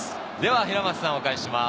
平松さん、お返しします。